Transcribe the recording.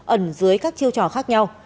ẩn dưới các chiêu trò khác nhau